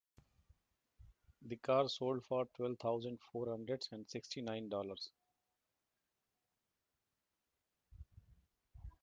The car sold for twelve thousand four hundred and sixty nine dollars.